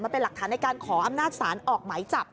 เป็นหลักฐานในการขออำนาจศาลออกหมายจับ